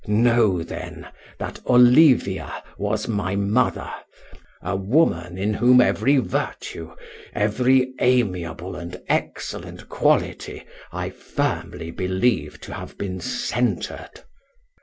Know, then, that Olivia Zastrozzi was my mother; a woman in whom every virtue, every amiable and excellent quality, I firmly believe to have been centred.